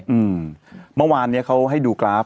อืมเมื่อวานเนี้ยเขาให้ดูกราฟ